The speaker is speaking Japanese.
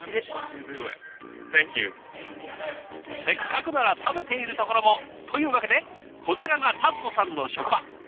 せっかくなら食べているところも。というわけでこちらがタッドさんの職場。